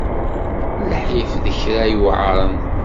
Lḥif d kra yuɛren.